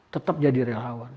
tetap jadi relawan